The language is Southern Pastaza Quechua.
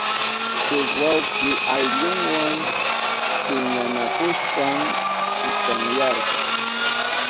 Shuk wawki ayllunwa piñanakushpan chikanyarka.